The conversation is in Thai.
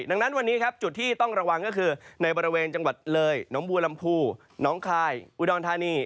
ดังนั้นวันนี้ครับจุดที่ต้องระวังก็คือในบริเวณจังหวัดเลยน้องบัวลำพูน้องคายอุดรธานี